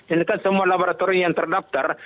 ini kan semua laboratorium yang terdaftar